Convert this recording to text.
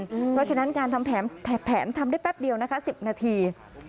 เพราะฉะนั้นการทำแผนทำได้แป๊บเดียวนะคะ๑๐นาที